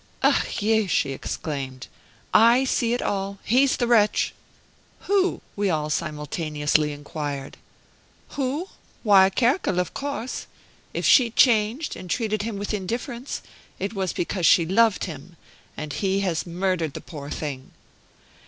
"Ach Je!" she exclaimed, "I see it all. He's the wretch!" "Who?" we all simultaneously inquired. "Who? Why, Kerkel, of course. If she changed, and treated him with indifference, it was because she loved him; and he has murdered the poor thing."